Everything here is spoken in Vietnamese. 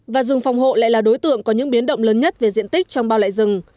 và rừng phòng hộ lại là đối tượng có những biến động lớn nhất về diện tích trong bao lại rừng